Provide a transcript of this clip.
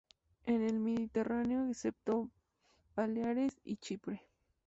En el Mediterráneo, excepto Baleares y Chipre.